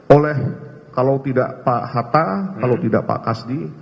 oleh kalau tidak pak hatta kalau tidak pak kasdi